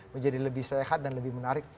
menjadi lebih sehat dan lebih menarik